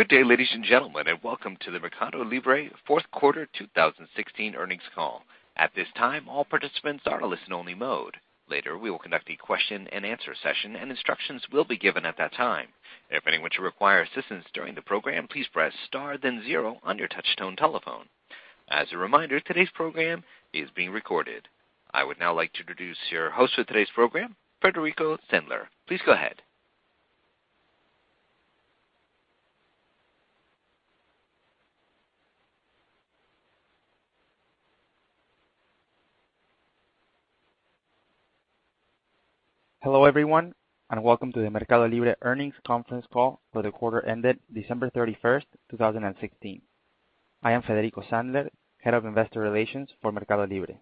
Good day, ladies and gentlemen, and welcome to the MercadoLibre fourth quarter 2016 earnings call. At this time, all participants are in listen only mode. Later, we will conduct a question and answer session and instructions will be given at that time. If anyone should require assistance during the program, please press star then zero on your touchtone telephone. As a reminder, today's program is being recorded. I would now like to introduce your host for today's program, Federico Sandler. Please go ahead. Hello everyone, and welcome to the MercadoLibre earnings conference call for the quarter ended December 31st, 2016. I am Federico Sandler, Head of Investor Relations for MercadoLibre.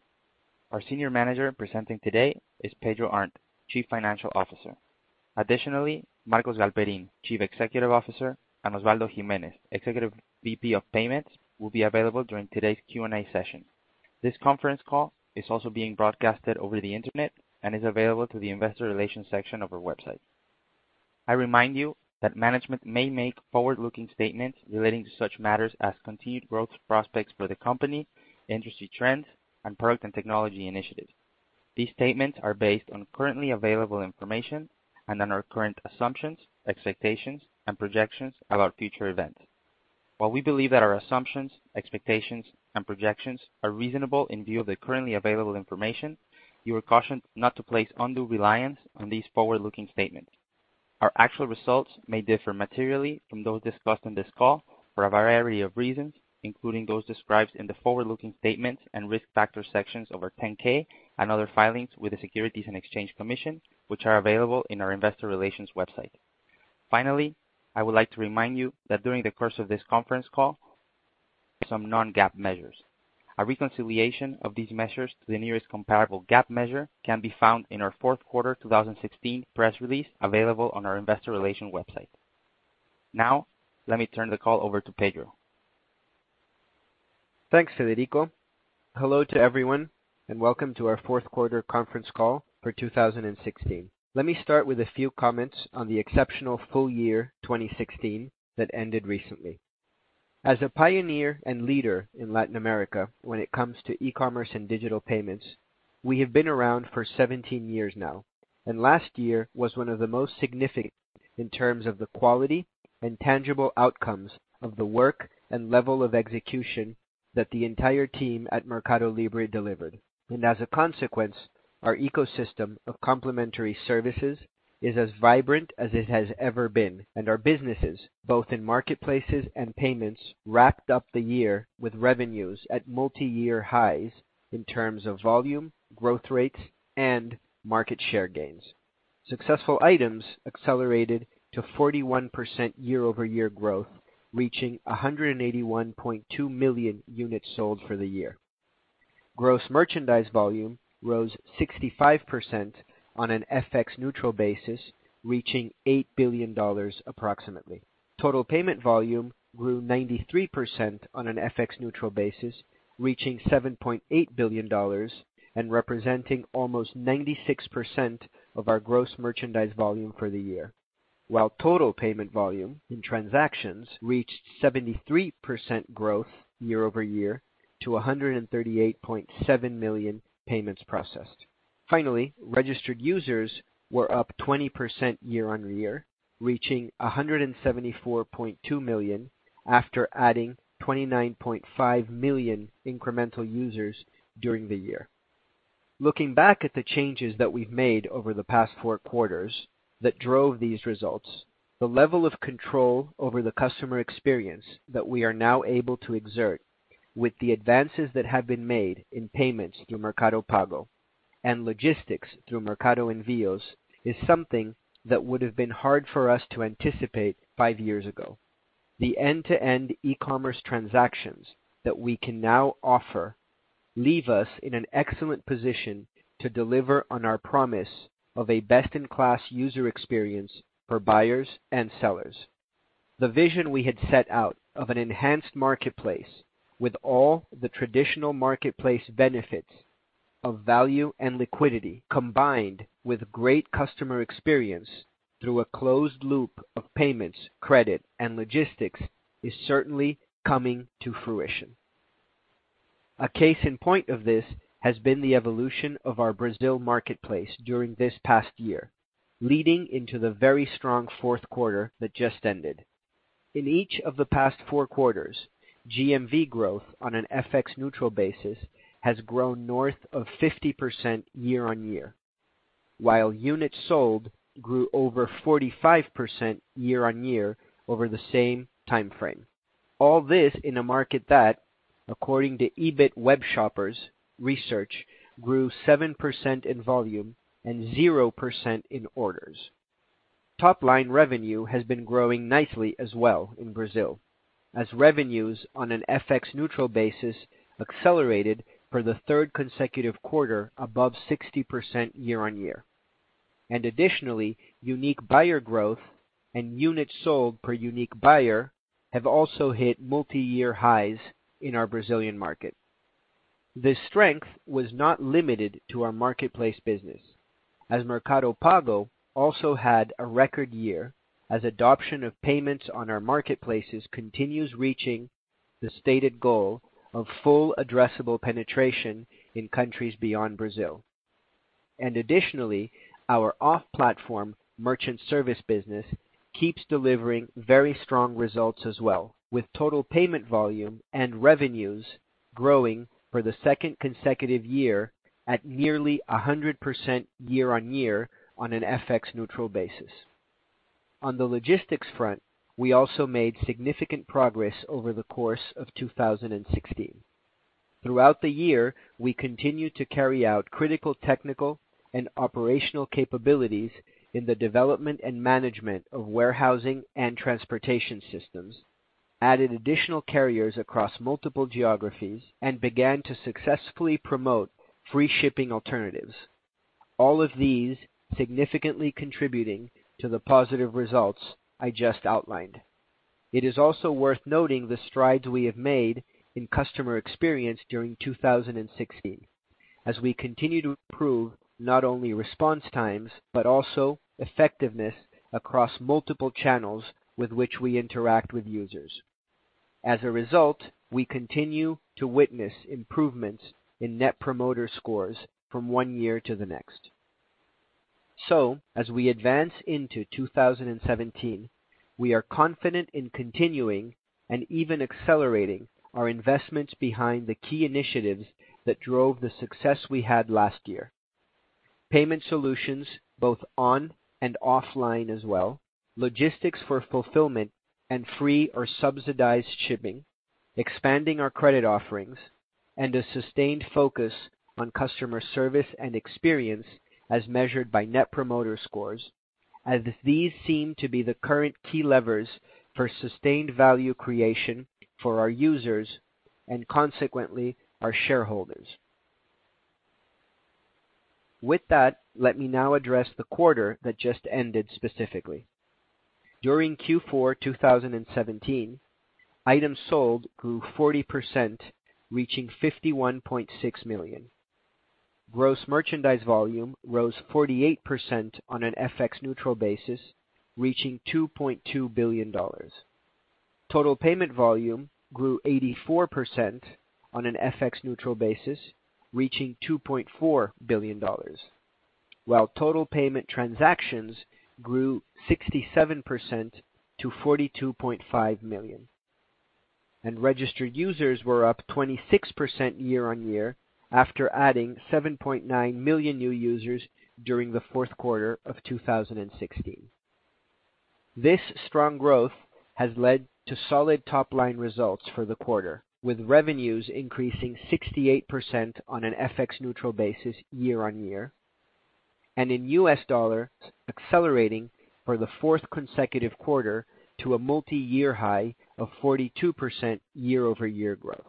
Our Senior Manager presenting today is Pedro Arnt, Chief Financial Officer. Additionally, Marcos Galperin, Chief Executive Officer, and Osvaldo Gimenez, Executive VP of Payments, will be available during today's Q&A session. This conference call is also being broadcasted over the internet and is available through the investor relations section of our website. I remind you that management may make forward-looking statements relating to such matters as continued growth prospects for the company, industry trends, and product and technology initiatives. These statements are based on currently available information and on our current assumptions, expectations, and projections about future events. While we believe that our assumptions, expectations, and projections are reasonable in view of the currently available information, you are cautioned not to place undue reliance on these forward-looking statements. Our actual results may differ materially from those discussed on this call for a variety of reasons, including those described in the forward-looking statements and risk factor sections of our 10-K and other filings with the Securities and Exchange Commission, which are available in our investor relations website. Finally, I would like to remind you that during the course of this conference call, some non-GAAP measures. A reconciliation of these measures to the nearest comparable GAAP measure can be found in our fourth quarter 2016 press release, available on our investor relation website. Now, let me turn the call over to Pedro. Thanks, Federico. Hello to everyone, and welcome to our fourth quarter conference call for 2016. Let me start with a few comments on the exceptional full year 2016 that ended recently. As a pioneer and leader in Latin America when it comes to e-commerce and digital payments, we have been around for 17 years now, and last year was one of the most significant in terms of the quality and tangible outcomes of the work and level of execution that the entire team at MercadoLibre delivered. As a consequence, our ecosystem of complementary services is as vibrant as it has ever been, and our businesses, both in marketplaces and payments, wrapped up the year with revenues at multiyear highs in terms of volume, growth rates, and market share gains. Successful items accelerated to 41% year-over-year growth, reaching 181.2 million units sold for the year. Gross merchandise volume rose 65% on an FX neutral basis, reaching $8 billion approximately. Total payment volume grew 93% on an FX neutral basis, reaching $7.8 billion and representing almost 96% of our gross merchandise volume for the year. Total payment volume in transactions reached 73% growth year-over-year to 138.7 million payments processed. Finally, registered users were up 20% year-on-year, reaching 174.2 million after adding 29.5 million incremental users during the year. Looking back at the changes that we've made over the past four quarters that drove these results, the level of control over the customer experience that we are now able to exert with the advances that have been made in payments through Mercado Pago, and logistics through Mercado Envios, is something that would've been hard for us to anticipate 5 years ago. The end-to-end e-commerce transactions that we can now offer leave us in an excellent position to deliver on our promise of a best-in-class user experience for buyers and sellers. The vision we had set out of an enhanced marketplace with all the traditional marketplace benefits of value and liquidity, combined with great customer experience through a closed loop of payments, credit, and logistics, is certainly coming to fruition. A case in point of this has been the evolution of our Brazil marketplace during this past year, leading into the very strong fourth quarter that just ended. In each of the past four quarters, GMV growth on an FX neutral basis has grown north of 50% year-on-year, while units sold grew over 45% year-on-year over the same timeframe. All this in a market that, according to Ebit Webshoppers research, grew 7% in volume and 0% in orders. Top-line revenue has been growing nicely as well in Brazil, as revenues on an FX neutral basis accelerated for the third consecutive quarter above 60% year-on-year. Additionally, unique buyer growth and units sold per unique buyer have also hit multiyear highs in our Brazilian market. This strength was not limited to our marketplace business, as Mercado Pago also had a record year as adoption of payments on our marketplaces continues reaching the stated goal of full addressable penetration in countries beyond Brazil. Additionally, our off-platform merchant service business keeps delivering very strong results as well, with total payment volume and revenues growing for the second consecutive year at nearly 100% year-on-year on an FX neutral basis. On the logistics front, we also made significant progress over the course of 2016. Throughout the year, we continued to carry out critical technical and operational capabilities in the development and management of warehousing and transportation systems, added additional carriers across multiple geographies, and began to successfully promote free shipping alternatives. All of these significantly contributing to the positive results I just outlined. It is also worth noting the strides we have made in customer experience during 2016, as we continue to improve not only response times, but also effectiveness across multiple channels with which we interact with users. As a result, we continue to witness improvements in net promoter scores from one year to the next. As we advance into 2017, we are confident in continuing and even accelerating our investments behind the key initiatives that drove the success we had last year. Payment solutions, both on and offline as well, logistics for fulfillment and free or subsidized shipping, expanding our credit offerings, and a sustained focus on customer service and experience as measured by net promoter scores, as these seem to be the current key levers for sustained value creation for our users and consequently, our shareholders. With that, let me now address the quarter that just ended specifically. During Q4 2016, items sold grew 40%, reaching 51.6 million. Gross merchandise volume rose 48% on an FX neutral basis, reaching $2.2 billion. Total payment volume grew 84% on an FX neutral basis, reaching $2.4 billion. While total payment transactions grew 67% to 42.5 million, and registered users were up 26% year-on-year after adding 7.9 million new users during the fourth quarter of 2016. This strong growth has led to solid top-line results for the quarter, with revenues increasing 68% on an FX neutral basis year-on-year, and in U.S. dollar accelerating for the fourth consecutive quarter to a multi-year high of 42% year-over-year growth.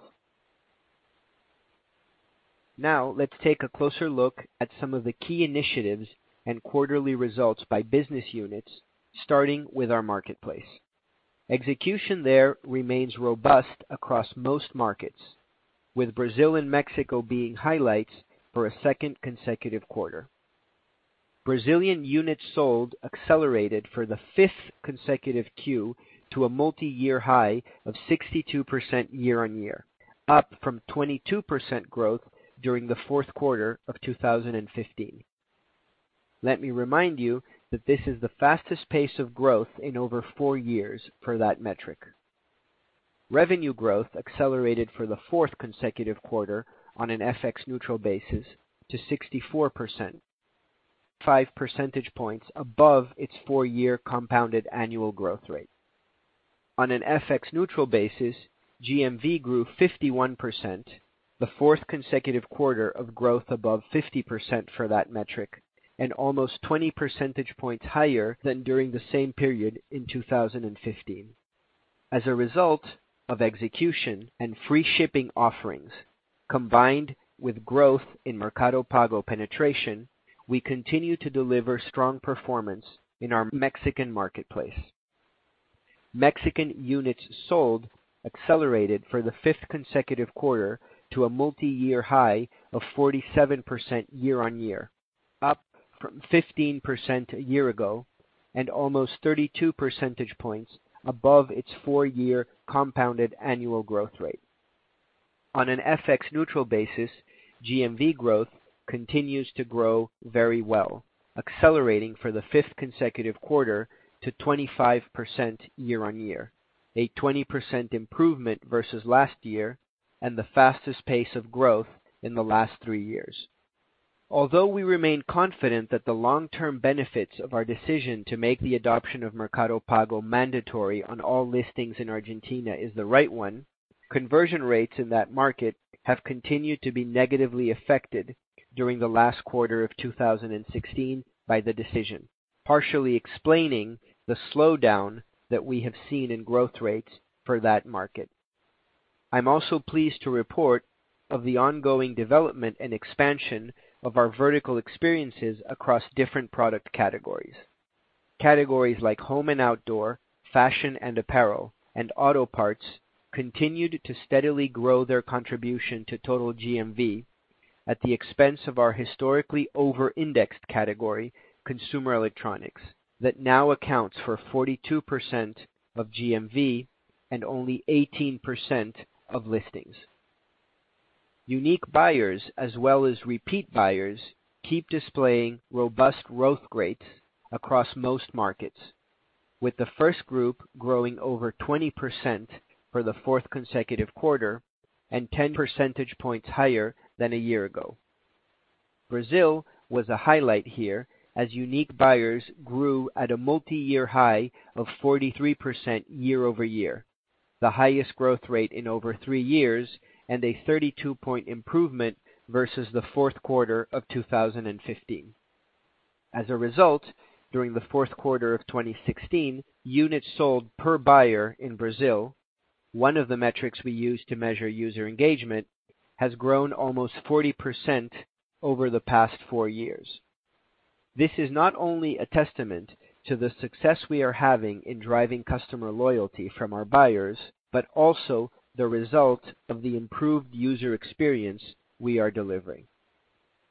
Now let's take a closer look at some of the key initiatives and quarterly results by business units, starting with our marketplace. Execution there remains robust across most markets, with Brazil and Mexico being highlights for a second consecutive quarter. Brazilian units sold accelerated for the fifth consecutive Q to a multi-year high of 62% year-on-year, up from 22% growth during the fourth quarter of 2015. Let me remind you that this is the fastest pace of growth in over four years for that metric. Revenue growth accelerated for the fourth consecutive quarter on an FX neutral basis to 64%, five percentage points above its four-year compounded annual growth rate. On an FX neutral basis, GMV grew 51%, the fourth consecutive quarter of growth above 50% for that metric, and almost 20 percentage points higher than during the same period in 2015. As a result of execution and free shipping offerings, combined with growth in Mercado Pago penetration, we continue to deliver strong performance in our Mexican marketplace. Mexican units sold accelerated for the fifth consecutive quarter to a multi-year high of 47% year-on-year, up from 15% a year ago and almost 32 percentage points above its four-year compounded annual growth rate. On an FX neutral basis, GMV growth continues to grow very well, accelerating for the fifth consecutive quarter to 25% year-on-year, a 20% improvement versus last year, and the fastest pace of growth in the last three years. Although we remain confident that the long-term benefits of our decision to make the adoption of Mercado Pago mandatory on all listings in Argentina is the right one, conversion rates in that market have continued to be negatively affected during the last quarter of 2016 by the decision, partially explaining the slowdown that we have seen in growth rates for that market. I'm also pleased to report of the ongoing development and expansion of our vertical experiences across different product categories. Categories like home and outdoor, fashion and apparel, and auto parts continued to steadily grow their contribution to total GMV at the expense of our historically over-indexed category, consumer electronics, that now accounts for 42% of GMV and only 18% of listings. Unique buyers as well as repeat buyers keep displaying robust growth rates across most markets, with the first group growing over 20% for the fourth consecutive quarter and 10 percentage points higher than a year ago. Brazil was a highlight here, as unique buyers grew at a multi-year high of 43% year-over-year, the highest growth rate in over three years and a 32-point improvement versus the fourth quarter of 2015. As a result, during the fourth quarter of 2016, units sold per buyer in Brazil, one of the metrics we use to measure user engagement, has grown almost 40% over the past four years. This is not only a testament to the success we are having in driving customer loyalty from our buyers, but also the result of the improved user experience we are delivering.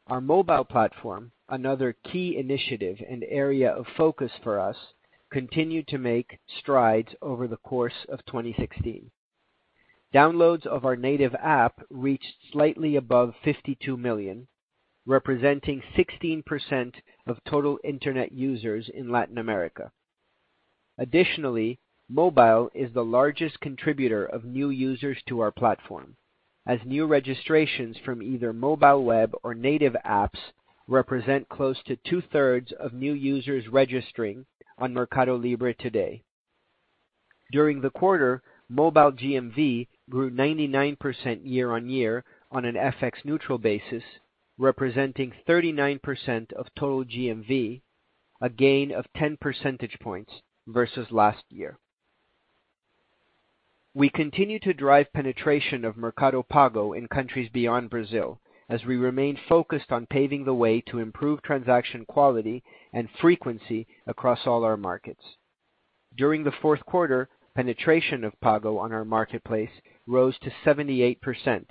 Our mobile platform, another key initiative and area of focus for us, continued to make strides over the course of 2016. Downloads of our native app reached slightly above 52 million, representing 16% of total Internet users in Latin America. Mobile is the largest contributor of new users to our platform, as new registrations from either mobile web or native apps represent close to two-thirds of new users registering on Mercado Libre today. During the quarter, mobile GMV grew 99% year-on-year on an FX-neutral basis, representing 39% of total GMV, a gain of 10 percentage points versus last year. We continue to drive penetration of Mercado Pago in countries beyond Brazil as we remain focused on paving the way to improve transaction quality and frequency across all our markets. During the fourth quarter, penetration of Pago on our marketplace rose to 78%,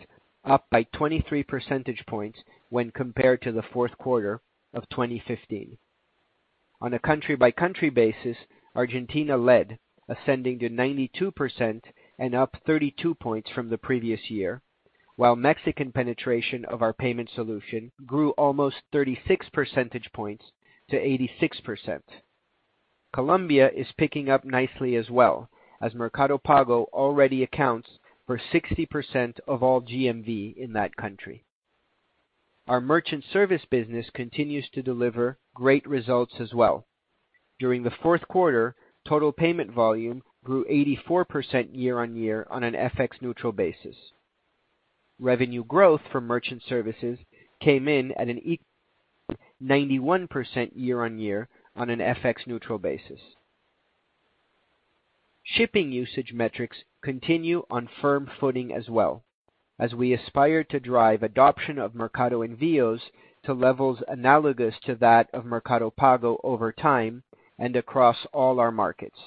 up by 23 percentage points when compared to the fourth quarter of 2015. On a country-by-country basis, Argentina led, ascending to 92% and up 32 points from the previous year, while Mexican penetration of our payment solution grew almost 36 percentage points to 86%. Colombia is picking up nicely as well, as Mercado Pago already accounts for 60% of all GMV in that country. Our merchant service business continues to deliver great results as well. During the fourth quarter, total payment volume grew 84% year-on-year on an FX-neutral basis. Revenue growth for merchant services came in at a 91% year-on-year on an FX-neutral basis. Shipping usage metrics continue on firm footing as well, as we aspire to drive adoption of Mercado Envios to levels analogous to that of Mercado Pago over time and across all our markets.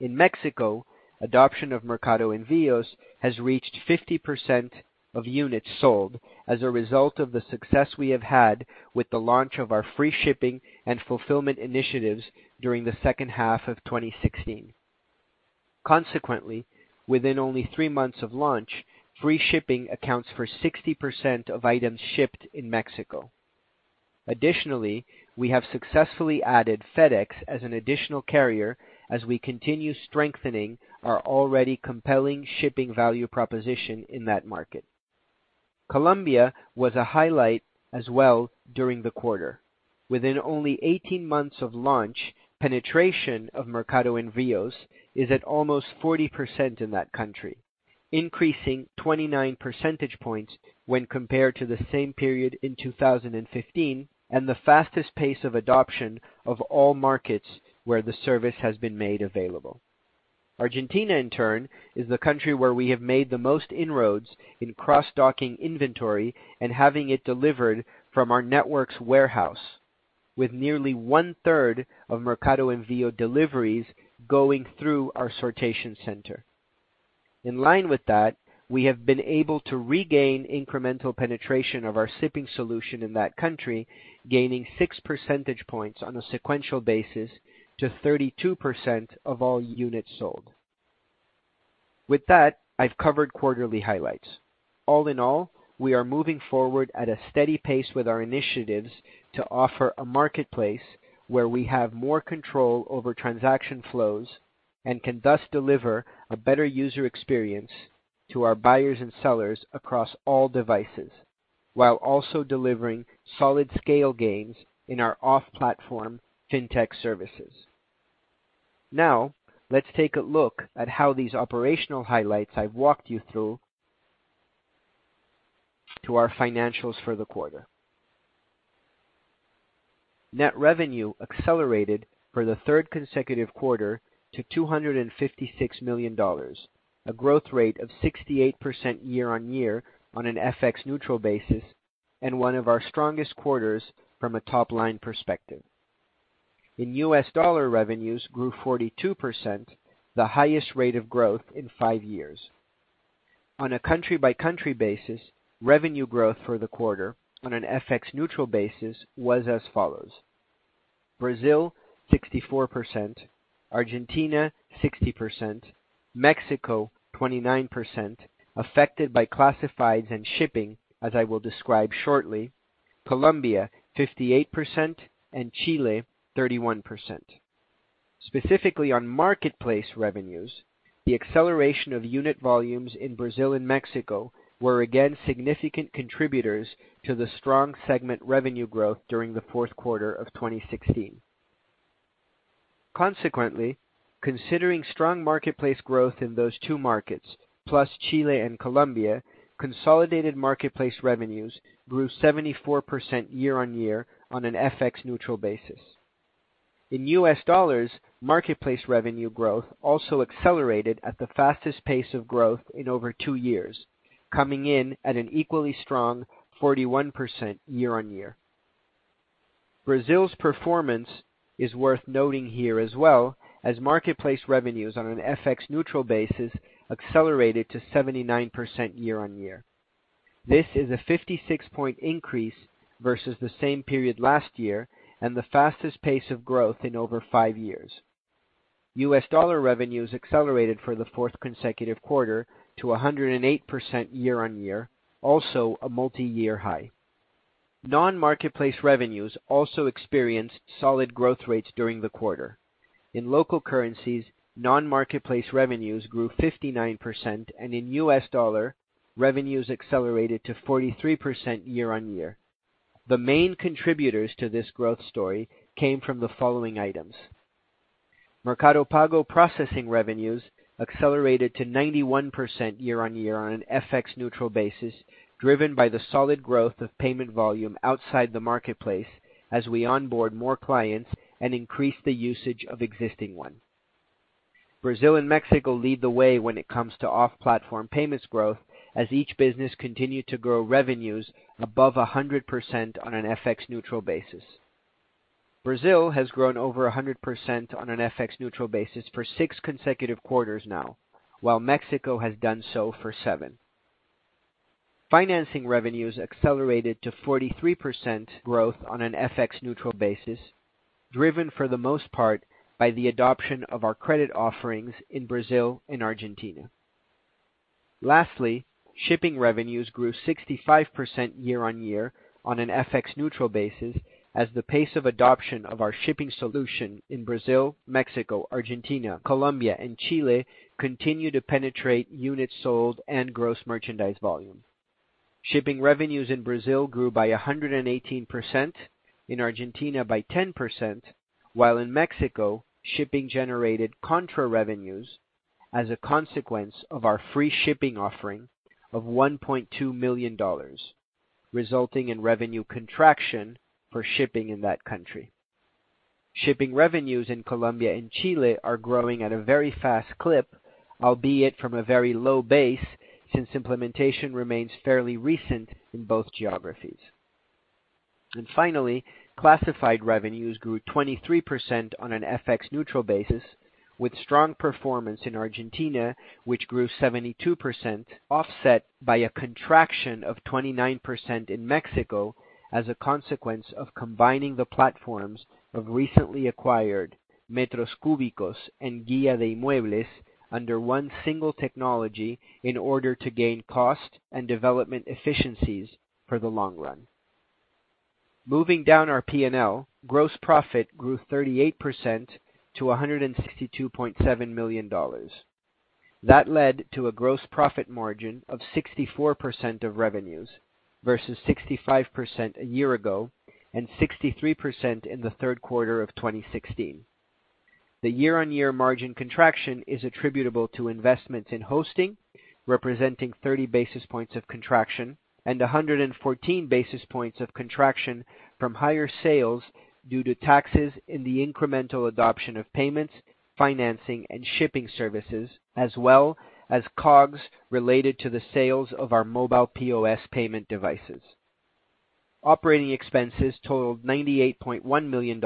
In Mexico, adoption of Mercado Envios has reached 50% of units sold as a result of the success we have had with the launch of our free shipping and fulfillment initiatives during the second half of 2016. Within only three months of launch, free shipping accounts for 60% of items shipped in Mexico. We have successfully added FedEx as an additional carrier as we continue strengthening our already compelling shipping value proposition in that market. Colombia was a highlight as well during the quarter. Within only 18 months of launch, penetration of Mercado Envios is at almost 40% in that country, increasing 29 percentage points when compared to the same period in 2015, and the fastest pace of adoption of all markets where the service has been made available. Argentina, in turn, is the country where we have made the most inroads in cross-docking inventory and having it delivered from our network's warehouse, with nearly one-third of Mercado Envios deliveries going through our sortation center. In line with that, we have been able to regain incremental penetration of our shipping solution in that country, gaining six percentage points on a sequential basis to 32% of all units sold. With that, I've covered quarterly highlights. All in all, we are moving forward at a steady pace with our initiatives to offer a marketplace where we have more control over transaction flows and can thus deliver a better user experience to our buyers and sellers across all devices, while also delivering solid scale gains in our off-platform fintech services. Now, let's take a look at how these operational highlights I've walked you through to our financials for the quarter. Net revenue accelerated for the third consecutive quarter to $256 million, a growth rate of 68% year-on-year on an FX-neutral basis. One of our strongest quarters from a top-line perspective. In U.S. dollar revenues grew 42%, the highest rate of growth in five years. On a country-by-country basis, revenue growth for the quarter on an FX-neutral basis was as follows: Brazil 64%, Argentina 60%, Mexico 29%, affected by classifieds and shipping, as I will describe shortly, Colombia 58%, and Chile 31%. Specifically on marketplace revenues, the acceleration of unit volumes in Brazil and Mexico were again significant contributors to the strong segment revenue growth during the fourth quarter of 2016. Consequently, considering strong marketplace growth in those two markets, plus Chile and Colombia, consolidated marketplace revenues grew 74% year-on-year on an FX-neutral basis. In U.S. dollars, marketplace revenue growth also accelerated at the fastest pace of growth in over two years, coming in at an equally strong 41% year-on-year. Brazil's performance is worth noting here as well as marketplace revenues on an FX-neutral basis accelerated to 79% year-on-year. This is a 56-point increase versus the same period last year and the fastest pace of growth in over five years. U.S. dollar revenues accelerated for the fourth consecutive quarter to 108% year-on-year, also a multi-year high. Non-marketplace revenues also experienced solid growth rates during the quarter. In local currencies, non-marketplace revenues grew 59%, and in U.S. dollar, revenues accelerated to 43% year-on-year. The main contributors to this growth story came from the following items. Mercado Pago processing revenues accelerated to 91% year-on-year on an FX-neutral basis, driven by the solid growth of payment volume outside the marketplace as we onboard more clients and increase the usage of existing ones. Brazil and Mexico lead the way when it comes to off-platform payments growth as each business continued to grow revenues above 100% on an FX-neutral basis. Brazil has grown over 100% on an FX-neutral basis for six consecutive quarters now, while Mexico has done so for seven. Financing revenues accelerated to 43% growth on an FX-neutral basis, driven for the most part by the adoption of our credit offerings in Brazil and Argentina. Lastly, shipping revenues grew 65% year-on-year on an FX-neutral basis as the pace of adoption of our shipping solution in Brazil, Mexico, Argentina, Colombia, and Chile continue to penetrate units sold and gross merchandise volume. Shipping revenues in Brazil grew by 118%, in Argentina by 10%, while in Mexico, shipping generated contra revenues as a consequence of our free shipping offering of $1.2 million, resulting in revenue contraction for shipping in that country. Shipping revenues in Colombia and Chile are growing at a very fast clip, albeit from a very low base, since implementation remains fairly recent in both geographies. Finally, classified revenues grew 23% on an FX-neutral basis, with strong performance in Argentina, which grew 72%, offset by a contraction of 29% in Mexico as a consequence of combining the platforms of recently acquired Metros Cúbicos and Guia de Inmuebles under one single technology in order to gain cost and development efficiencies for the long run. Moving down our P&L, gross profit grew 38% to $162.7 million. That led to a gross profit margin of 64% of revenues versus 65% a year ago and 63% in the third quarter of 2016. The year-on-year margin contraction is attributable to investments in hosting, representing 30 basis points of contraction and 114 basis points of contraction from higher sales due to taxes in the incremental adoption of payments, financing, and shipping services, as well as COGS related to the sales of our mobile POS payment devices. Operating expenses totaled $98.1 million,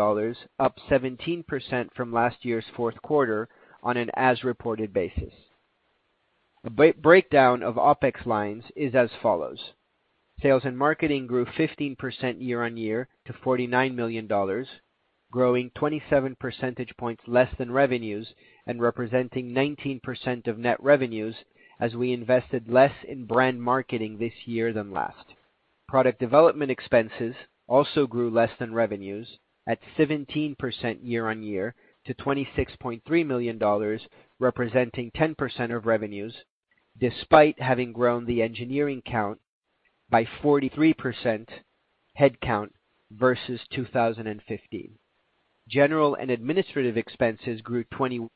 up 17% from last year's fourth quarter on an as-reported basis. The breakdown of OpEx lines is as follows. Sales and marketing grew 15% year-on-year to $49 million, growing 27 percentage points less than revenues and representing 19% of net revenues as we invested less in brand marketing this year than last. Product development expenses also grew less than revenues at 17% year-on-year to $26.3 million, representing 10% of revenues, despite having grown the engineering count by 43% headcount versus 2015. General and administrative expenses grew 20%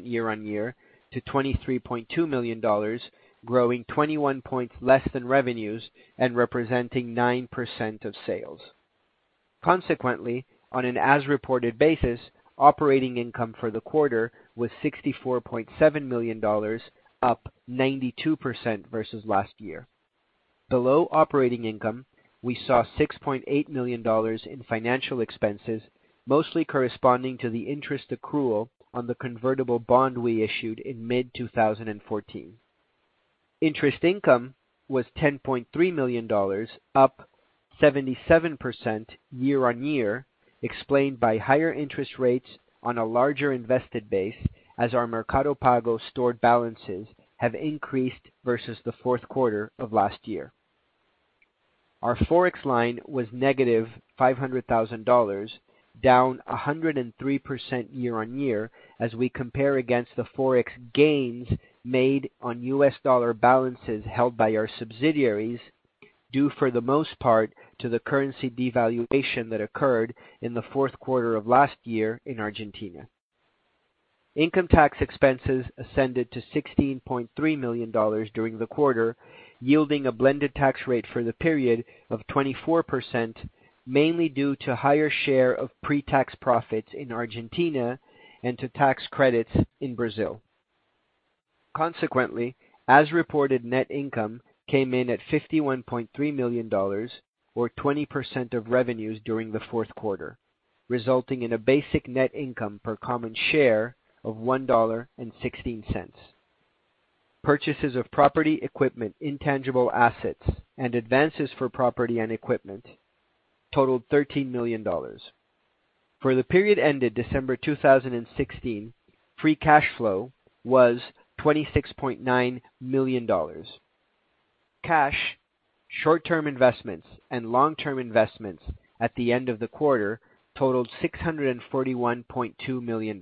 year-on-year to $23.2 million, growing 21 points less than revenues and representing 9% of sales. Consequently, on an as-reported basis, operating income for the quarter was $64.7 million, up 92% versus last year. Below operating income, we saw $6.8 million in financial expenses, mostly corresponding to the interest accrual on the convertible bond we issued in mid-2014. Interest income was $10.3 million, up 77% year-on-year, explained by higher interest rates on a larger invested base as our Mercado Pago stored balances have increased versus the fourth quarter of last year. Our Forex line was negative $500,000, down 103% year-on-year as we compare against the Forex gains made on US dollar balances held by our subsidiaries, due for the most part to the currency devaluation that occurred in the fourth quarter of last year in Argentina. Income tax expenses ascended to $16.3 million during the quarter, yielding a blended tax rate for the period of 24%, mainly due to higher share of pre-tax profits in Argentina and to tax credits in Brazil. Consequently, as reported net income came in at $51.3 million, or 20% of revenues during the fourth quarter, resulting in a basic net income per common share of $1.16. Purchases of property equipment, intangible assets, and advances for property and equipment totaled $13 million. For the period ended December 2016, free cash flow was $26.9 million. Cash, short-term investments, and long-term investments at the end of the quarter totaled $641.2 million.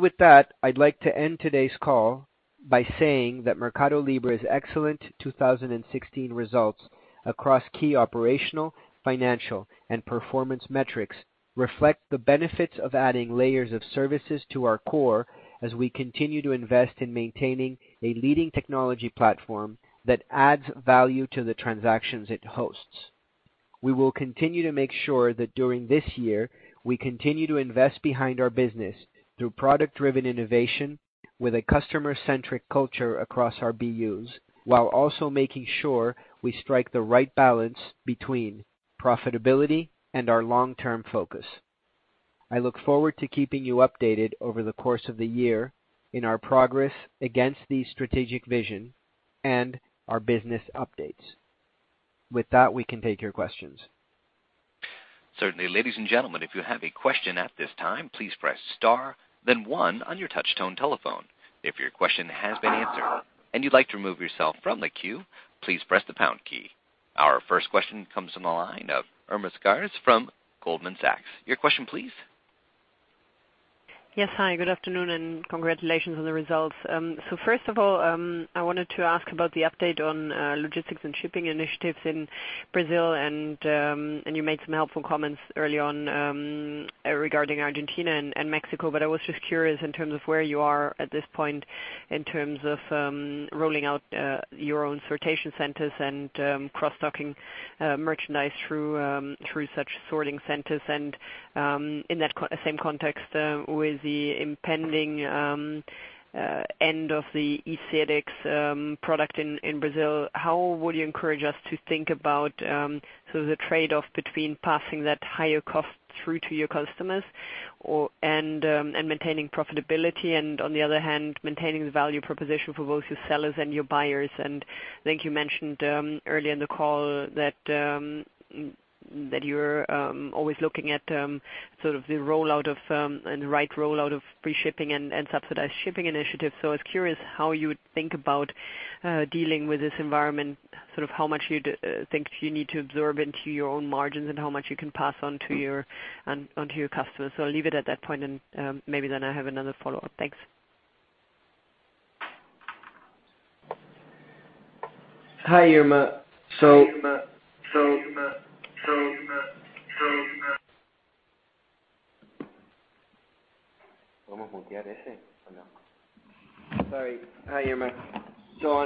With that, I'd like to end today's call by saying that MercadoLibre's excellent 2016 results across key operational, financial, and performance metrics reflect the benefits of adding layers of services to our core as we continue to invest in maintaining a leading technology platform that adds value to the transactions it hosts. We will continue to make sure that during this year, we continue to invest behind our business through product-driven innovation with a customer-centric culture across our BUs, while also making sure we strike the right balance between profitability and our long-term focus. I look forward to keeping you updated over the course of the year on our progress against the strategic vision and our business updates. With that, we can take your questions. Certainly. Ladies and gentlemen, if you have a question at this time, please press star then one on your touch tone telephone. If your question has been answered and you'd like to remove yourself from the queue, please press the pound key. Our first question comes from the line of Irma Sgarz from Goldman Sachs. Your question please. Yes. Hi, good afternoon and congratulations on the results. First of all, I wanted to ask about the update on logistics and shipping initiatives in Brazil. You made some helpful comments early on regarding Argentina and Mexico. I was just curious in terms of where you are at this point in terms of rolling out your own sortation centers and cross-docking merchandise through such sorting centers and, in that same context, with the impending end of the e-SEDEX product in Brazil. How would you encourage us to think about the trade-off between passing that higher cost through to your customers and maintaining profitability and, on the other hand, maintaining the value proposition for both your sellers and your buyers? I think you mentioned earlier in the call that you're always looking at sort of the rollout of, and the right rollout of free shipping and subsidized shipping initiatives. I was curious how you would think about dealing with this environment, sort of how much you think you need to absorb into your own margins and how much you can pass on to your customers. I'll leave it at that point and maybe then I have another follow-up. Thanks. Hi, Irma. Sorry. Hi, Irma.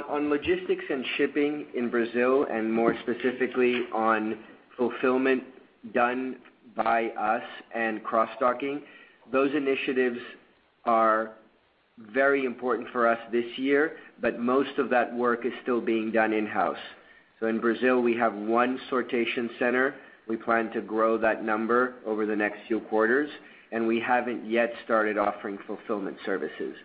On logistics and shipping in Brazil, and more specifically on fulfillment done by us and cross-docking, those initiatives are very important for us this year, but most of that work is still being done in-house. In Brazil, we have one sortation center. We plan to grow that number over the next few quarters, and we haven't yet started offering fulfillment services.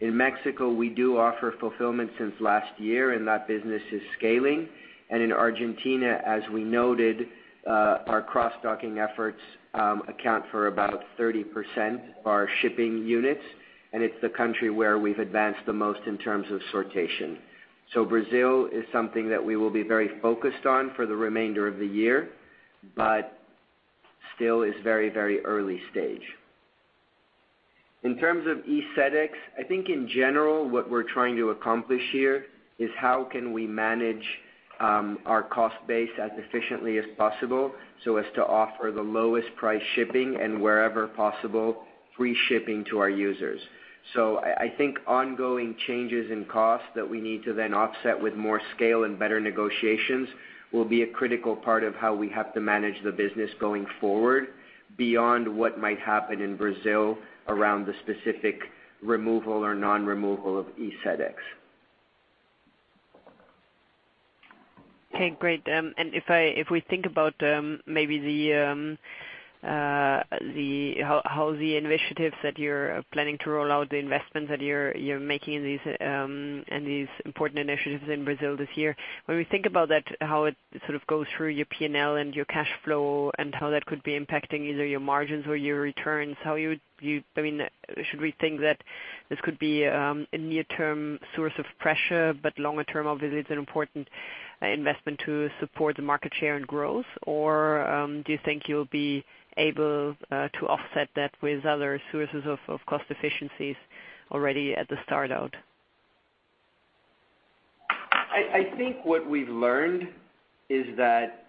In Mexico, we do offer fulfillment since last year, and that business is scaling. In Argentina, as we noted, our cross-docking efforts account for about 30% of our shipping units, and it's the country where we've advanced the most in terms of sortation. Brazil is something that we will be very focused on for the remainder of the year, but still is very early stage. In terms of e-SEDEX, I think in general, what we're trying to accomplish here is how can we manage our cost base as efficiently as possible so as to offer the lowest price shipping and wherever possible, free shipping to our users. I think ongoing changes in cost that we need to then offset with more scale and better negotiations will be a critical part of how we have to manage the business going forward, beyond what might happen in Brazil around the specific removal or non-removal of e-SEDEX. Okay, great. If we think about maybe how the initiatives that you're planning to roll out, the investments that you're making in these important initiatives in Brazil this year. When we think about that, how it sort of goes through your P&L and your cash flow and how that could be impacting either your margins or your returns. Should we think that this could be a near-term source of pressure but longer term, obviously it's an important investment to support the market share and growth? Do you think you'll be able to offset that with other sources of cost efficiencies already at the start-out? I think what we've learned is that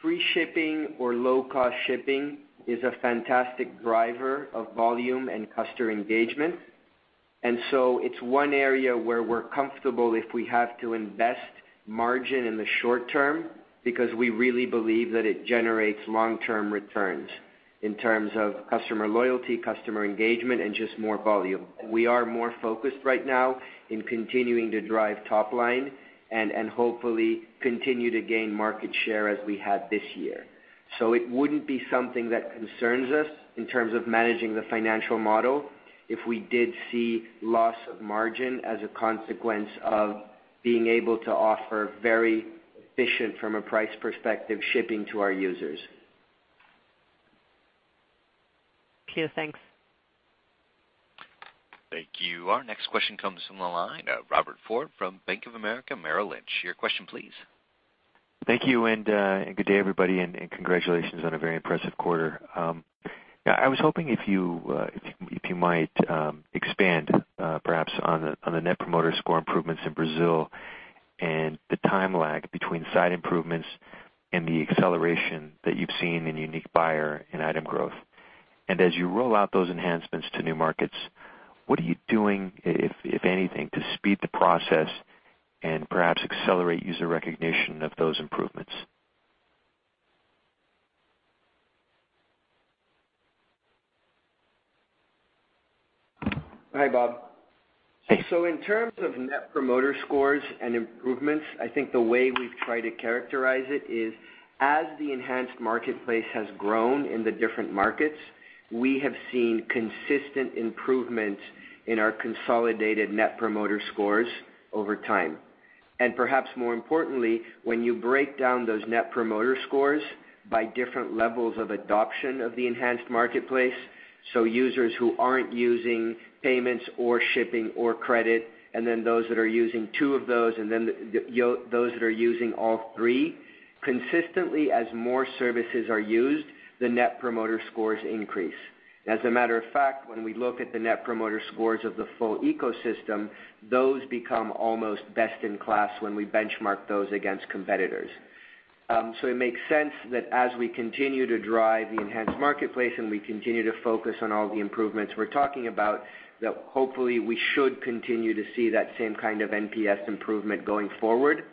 free shipping or low-cost shipping is a fantastic driver of volume and customer engagement. It's one area where we're comfortable if we have to invest margin in the short term, because we really believe that it generates long-term returns in terms of customer loyalty, customer engagement, and just more volume. We are more focused right now in continuing to drive top line and hopefully continue to gain market share as we have this year. It wouldn't be something that concerns us in terms of managing the financial model if we did see loss of margin as a consequence of being able to offer very efficient, from a price perspective, shipping to our users. Clear. Thanks. Thank you. Our next question comes from the line of Robert Ford from Bank of America Merrill Lynch. Your question, please. Thank you, and good day, everybody, and congratulations on a very impressive quarter. I was hoping if you might expand perhaps on the Net Promoter Score improvements in Brazil and the time lag between site improvements and the acceleration that you've seen in unique buyer and item growth. As you roll out those enhancements to new markets, what are you doing, if anything, to speed the process and perhaps accelerate user recognition of those improvements? Hi, Bob. Hey. In terms of net promoter scores and improvements, I think the way we've tried to characterize it is as the enhanced marketplace has grown in the different markets, we have seen consistent improvements in our consolidated net promoter scores over time. Perhaps more importantly, when you break down those net promoter scores by different levels of adoption of the enhanced marketplace, users who aren't using payments or shipping or credit, then those that are using two of those, and then those that are using all three, consistently as more services are used, the net promoter scores increase. As a matter of fact, when we look at the net promoter scores of the full ecosystem, those become almost best in class when we benchmark those against competitors. It makes sense that as we continue to drive the enhanced marketplace and we continue to focus on all the improvements we're talking about, that hopefully we should continue to see that same kind of NPS improvement going forward.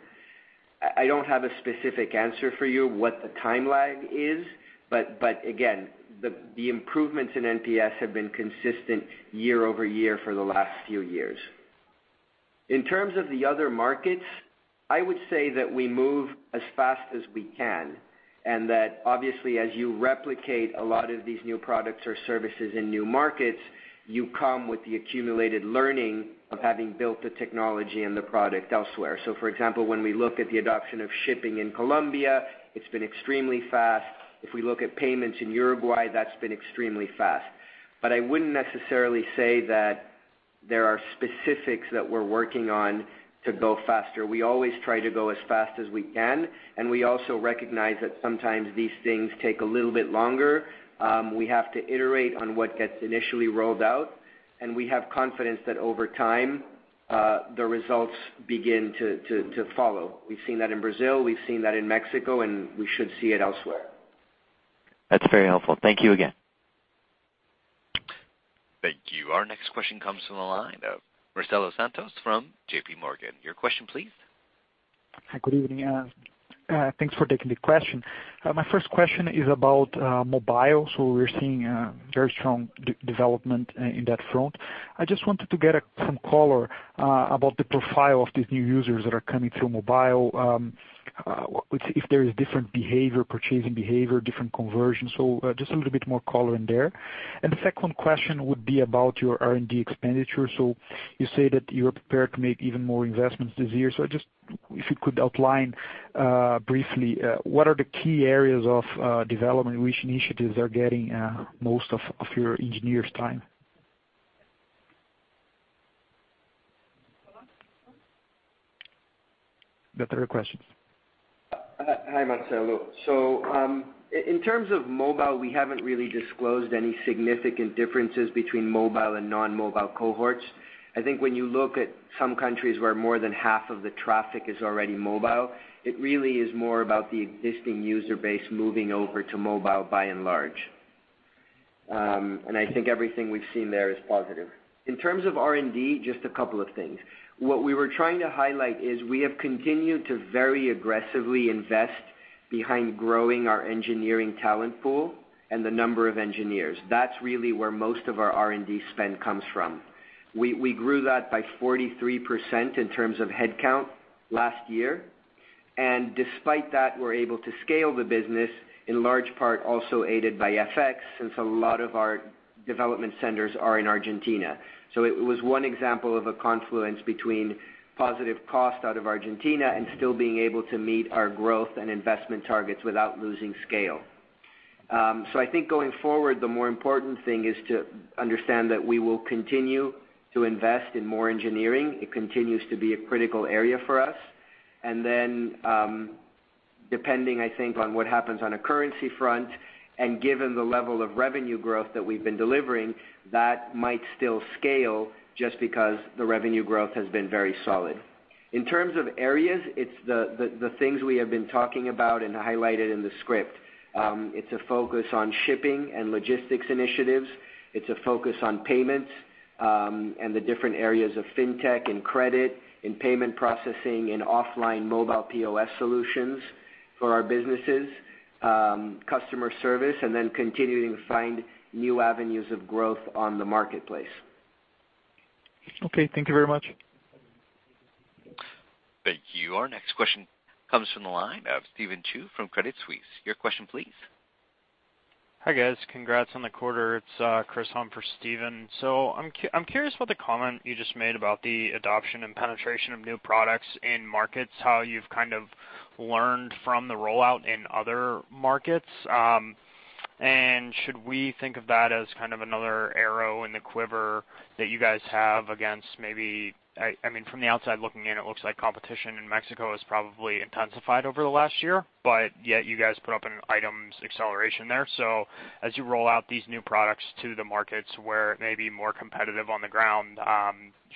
I don't have a specific answer for you what the time lag is, but again, the improvements in NPS have been consistent year-over-year for the last few years. In terms of the other markets, I would say that we move as fast as we can, and that obviously as you replicate a lot of these new products or services in new markets, you come with the accumulated learning of having built the technology and the product elsewhere. For example, when we look at the adoption of shipping in Colombia, it's been extremely fast. If we look at payments in Uruguay, that's been extremely fast. I wouldn't necessarily say that there are specifics that we're working on to go faster. We always try to go as fast as we can, and we also recognize that sometimes these things take a little bit longer. We have to iterate on what gets initially rolled out, and we have confidence that over time, the results begin to follow. We've seen that in Brazil, we've seen that in Mexico, and we should see it elsewhere. That's very helpful. Thank you again. Thank you. Our next question comes from the line of Marcelo Santos from JP Morgan. Your question, please. Hi, good evening. Thanks for taking the question. My first question is about mobile. We're seeing very strong development in that front. I just wanted to get some color about the profile of these new users that are coming through mobile, if there is different behavior, purchasing behavior, different conversion. Just a little bit more color in there. The second question would be about your R&D expenditure. You say that you're prepared to make even more investments this year. Just if you could outline briefly what are the key areas of development, which initiatives are getting most of your engineers' time? Got three questions. Hi, Marcelo. In terms of mobile, we haven't really disclosed any significant differences between mobile and non-mobile cohorts. I think when you look at some countries where more than half of the traffic is already mobile, it really is more about the existing user base moving over to mobile by and large. I think everything we've seen there is positive. In terms of R&D, just a couple of things. What we were trying to highlight is we have continued to very aggressively invest behind growing our engineering talent pool and the number of engineers. That's really where most of our R&D spend comes from. We grew that by 43% in terms of headcount last year, and despite that, we're able to scale the business in large part also aided by FX, since a lot of our development centers are in Argentina. It was one example of a confluence between positive cost out of Argentina and still being able to meet our growth and investment targets without losing scale. I think going forward, the more important thing is to understand that we will continue to invest in more engineering. It continues to be a critical area for us. Depending, I think, on what happens on a currency front and given the level of revenue growth that we've been delivering, that might still scale just because the revenue growth has been very solid. In terms of areas, it's the things we have been talking about and highlighted in the script. It's a focus on shipping and logistics initiatives. It's a focus on payments, and the different areas of fintech and credit and payment processing and offline mobile POS solutions for our businesses, customer service, and then continuing to find new avenues of growth on the marketplace. Okay, thank you very much. Thank you. Our next question comes from the line of Stephen Ju from Credit Suisse. Your question please. Hi, guys. Congrats on the quarter. It's Chris on for Stephen. I'm curious about the comment you just made about the adoption and penetration of new products in markets, how you've kind of learned from the rollout in other markets. Should we think of that as kind of another arrow in the quiver that you guys have against From the outside looking in, it looks like competition in Mexico has probably intensified over the last year, but yet you guys put up an items acceleration there. As you roll out these new products to the markets where it may be more competitive on the ground,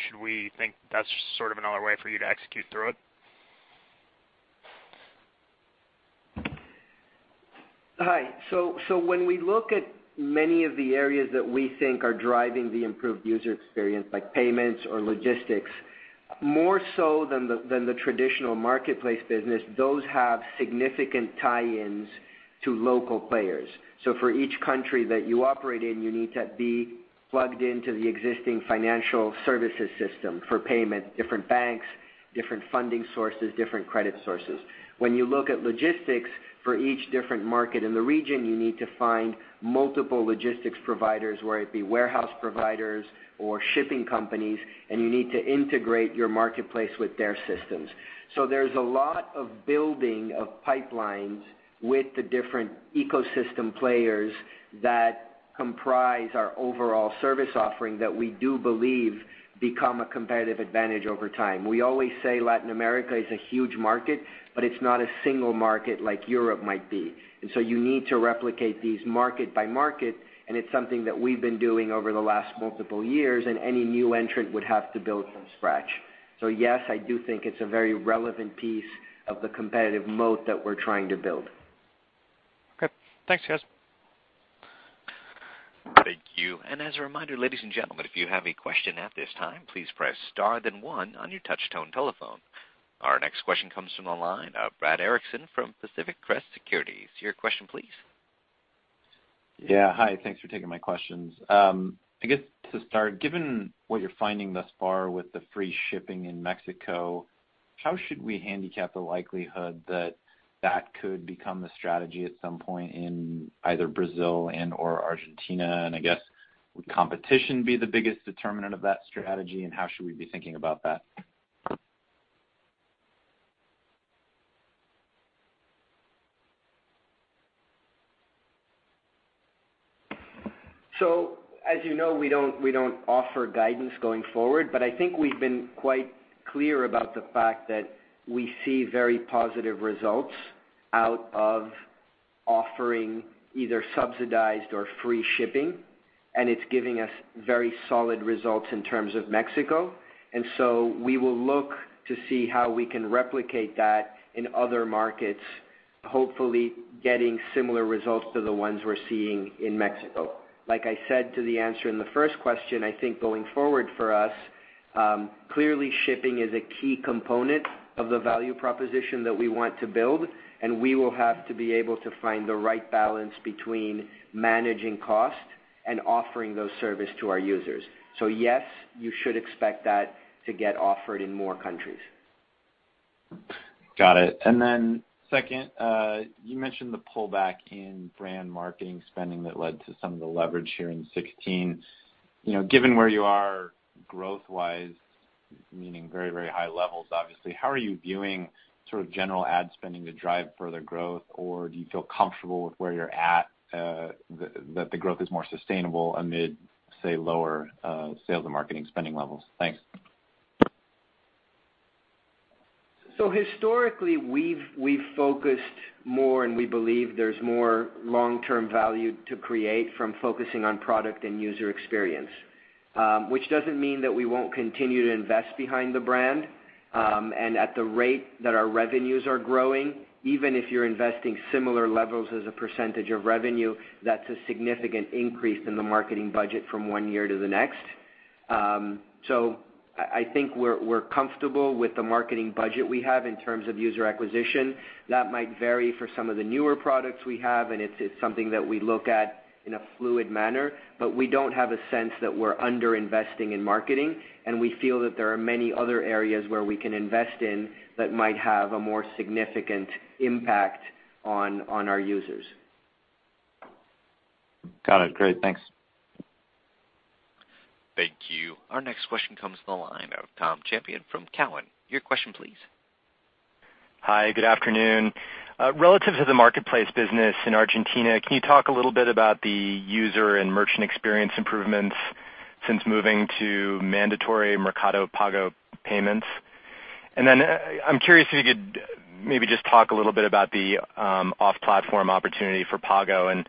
should we think that's sort of another way for you to execute through it? Hi. When we look at many of the areas that we think are driving the improved user experience, like payments or logistics, more so than the traditional marketplace business, those have significant tie-ins to local players. For each country that you operate in, you need to be plugged into the existing financial services system for payment, different banks, different funding sources, different credit sources. When you look at logistics for each different market in the region, you need to find multiple logistics providers, whether it be warehouse providers or shipping companies, and you need to integrate your marketplace with their systems. There's a lot of building of pipelines with the different ecosystem players that comprise our overall service offering that we do believe become a competitive advantage over time. We always say Latin America is a huge market, but it's not a single market like Europe might be. You need to replicate these market by market, and it's something that we've been doing over the last multiple years, and any new entrant would have to build from scratch. Yes, I do think it's a very relevant piece of the competitive moat that we're trying to build. Okay. Thanks, guys. Thank you. As a reminder, ladies and gentlemen, if you have a question at this time, please press star then one on your touch-tone telephone. Our next question comes from the line of Brad Erickson from Pacific Crest Securities. Your question, please. Yeah. Hi. Thanks for taking my questions. I guess to start, given what you're finding thus far with the free shipping in Mexico, how should we handicap the likelihood that that could become the strategy at some point in either Brazil and/or Argentina? I guess, would competition be the biggest determinant of that strategy, and how should we be thinking about that? As you know, we don't offer guidance going forward, but I think we've been quite clear about the fact that we see very positive results out of offering either subsidized or free shipping, and it's giving us very solid results in terms of Mexico. We will look to see how we can replicate that in other markets, hopefully getting similar results to the ones we're seeing in Mexico. Like I said to the answer in the first question, I think going forward for us, clearly shipping is a key component of the value proposition that we want to build, and we will have to be able to find the right balance between managing cost and offering those service to our users. Yes, you should expect that to get offered in more countries. Got it. Then second, you mentioned the pullback in brand marketing spending that led to some of the leverage here in 2016. Given where you are growth-wise, meaning very, very high levels, obviously, how are you viewing sort of general ad spending to drive further growth? Do you feel comfortable with where you're at, that the growth is more sustainable amid, say, lower sales and marketing spending levels? Thanks. Historically, we've focused more, and we believe there's more long-term value to create from focusing on product and user experience. Which doesn't mean that we won't continue to invest behind the brand, and at the rate that our revenues are growing, even if you're investing similar levels as a percentage of revenue, that's a significant increase in the marketing budget from one year to the next. I think we're comfortable with the marketing budget we have in terms of user acquisition. That might vary for some of the newer products we have, and it's something that we look at in a fluid manner. We don't have a sense that we're under-investing in marketing, and we feel that there are many other areas where we can invest in that might have a more significant impact on our users. Got it. Great. Thanks. Thank you. Our next question comes from the line of Tom Champion from Cowen. Your question please. Hi, good afternoon. Relative to the marketplace business in Argentina, can you talk a little bit about the user and merchant experience improvements since moving to mandatory Mercado Pago payments? Then I'm curious if you could maybe just talk a little bit about the off-platform opportunity for Pago and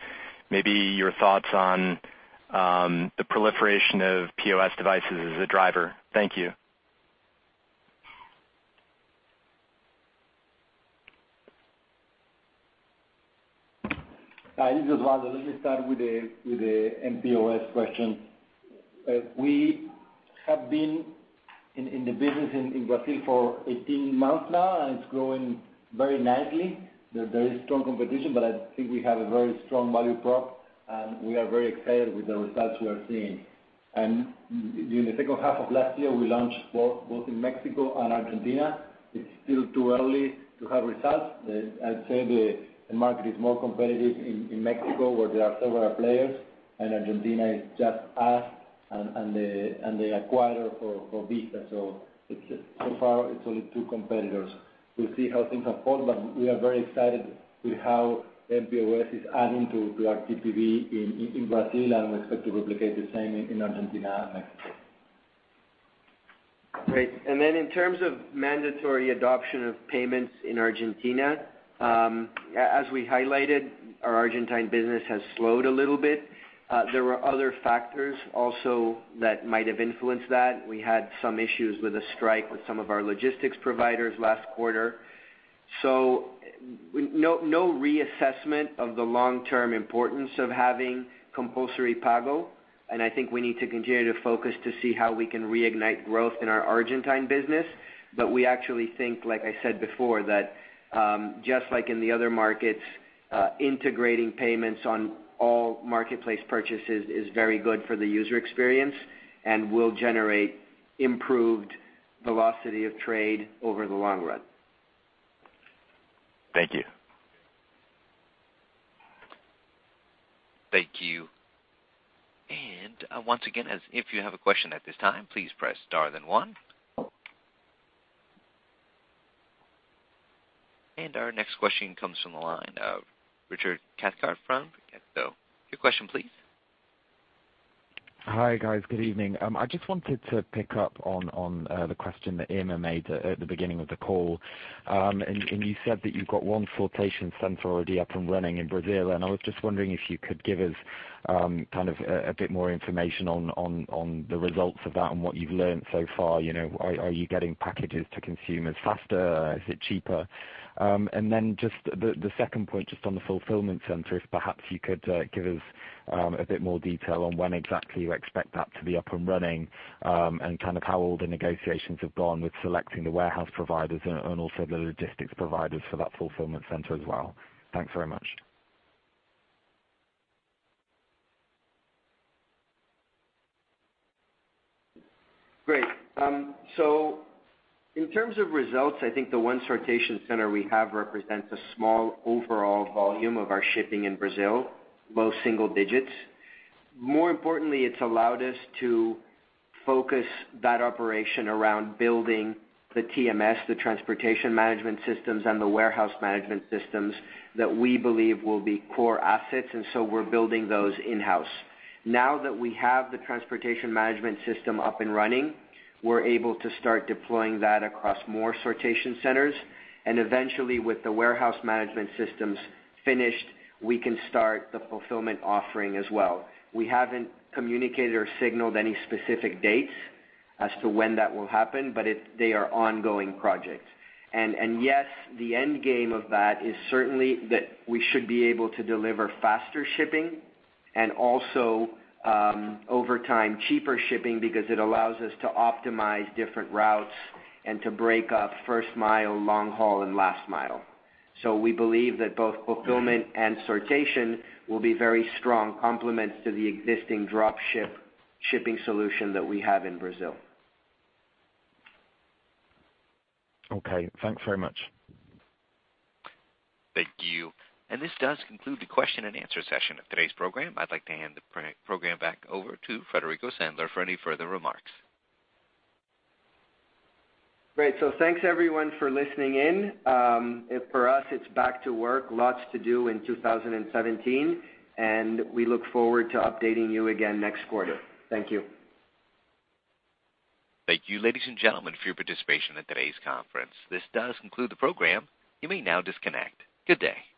maybe your thoughts on the proliferation of POS devices as a driver. Thank you. Hi, this is Osvaldo. Let me start with the mPOS question. We have been in the business in Brazil for 18 months now, and it's growing very nicely. There's very strong competition, but I think we have a very strong value prop, and we are very excited with the results we are seeing. In the second half of last year, we launched both in Mexico and Argentina. It's still too early to have results. I'd say the market is more competitive in Mexico where there are several players, and Argentina is just us and the acquirer for Visa. Far it's only two competitors. We'll see how things unfold, but we are very excited with how mPOS is adding to our TPV in Brazil, and we expect to replicate the same in Argentina and Mexico. Great. Then in terms of mandatory adoption of payments in Argentina. As we highlighted, our Argentine business has slowed a little bit. There were other factors also that might have influenced that. We had some issues with a strike with some of our logistics providers last quarter. No reassessment of the long-term importance of having compulsory Pago. I think we need to continue to focus to see how we can reignite growth in our Argentine business. We actually think, like I said before, that just like in the other markets, integrating payments on all marketplace purchases is very good for the user experience and will generate improved velocity of trade over the long run. Thank you. Thank you. Once again, if you have a question at this time, please press star then one. Our next question comes from the line of Richard Cathcart from HSBC. Your question please. Hi, guys. Good evening. I just wanted to pick up on the question that Irma made at the beginning of the call. You said that you've got one sortation center already up and running in Brazil, and I was just wondering if you could give us a bit more information on the results of that and what you've learned so far. Are you getting packages to consumers faster? Is it cheaper? Just the second point just on the fulfillment center, if perhaps you could give us a bit more detail on when exactly you expect that to be up and running, and how all the negotiations have gone with selecting the warehouse providers and also the logistics providers for that fulfillment center as well. Thanks very much. Great. In terms of results, I think the one sortation center we have represents a small overall volume of our shipping in Brazil, low single digits. More importantly, it's allowed us to focus that operation around building the TMS, the transportation management systems, and the warehouse management systems that we believe will be core assets, we're building those in-house. Now that we have the transportation management system up and running, we're able to start deploying that across more sortation centers. Eventually with the warehouse management systems finished, we can start the fulfillment offering as well. We haven't communicated or signaled any specific dates as to when that will happen, but they are ongoing projects. Yes, the end game of that is certainly that we should be able to deliver faster shipping and also, over time, cheaper shipping because it allows us to optimize different routes and to break up first mile, long haul, and last mile. We believe that both fulfillment and sortation will be very strong complements to the existing drop shipping solution that we have in Brazil. Okay. Thanks very much. Thank you. This does conclude the question and answer session of today's program. I'd like to hand the program back over to Federico Sandler for any further remarks. Great. Thanks everyone for listening in. For us, it's back to work. Lots to do in 2017, and we look forward to updating you again next quarter. Thank you. Thank you, ladies and gentlemen, for your participation in today's conference. This does conclude the program. You may now disconnect. Good day.